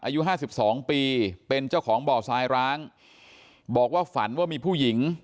อายุ๕๒ปีเป็นเจ้าของบ่อสายร้างบอกว่าฝันว่ามีผู้หญิง